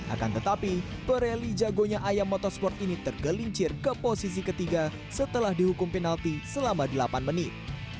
akan tetapi pereli jagonya ayam motorsport ini tergelincir ke posisi ketiga setelah dihukum penalti selama delapan menit